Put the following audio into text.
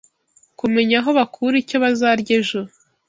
kumenya aho bakura icyo bazarya ejo.